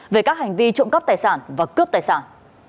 về các hành vi trộm cắp tài sản và cướp tài sản